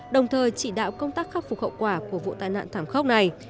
đồng thời chỉ đạo công tác khắc phục hậu quả của vụ tai nạn thảm khốc này